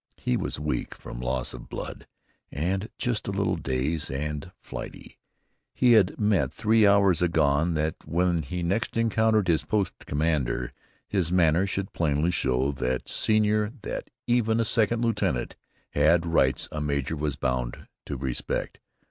He was weak from loss of blood, and just a little dazed and flighty. He had meant three hours agone that when next he encountered his post commander his manner should plainly show that senior that even a second lieutenant had rights a major was bound to respect.